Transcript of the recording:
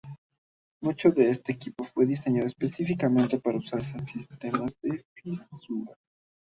Mucho de este equipo fue diseñado específicamente para usarse en sistemas de fisuras.